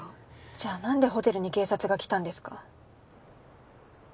じゃあなんでホテルに警察が来たんですか？